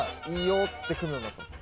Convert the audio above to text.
っつって組むようになったんです。